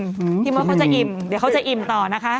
พี่มดเขาจะอิ่มเดี๋ยวเขาจะอิ่มต่อนะคะ